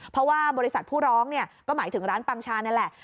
เพราะว่าบริษัทผู้ร้องก็หมายถึงร้านปังชานั่นแหละ